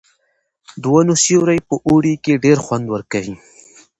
د ونو سیوری په اوړي کې ډېر خوند ورکوي.